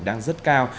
đang rất cao